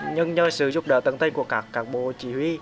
nhưng nhờ sự giúp đỡ tân tinh của các bộ chỉ huy